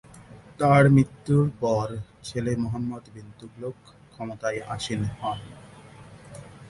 তার মৃত্যুর পর তার ছেলে মুহাম্মদ বিন তুগলক ক্ষমতায় আসীন হন।